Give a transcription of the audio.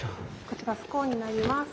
こちらスコーンになります。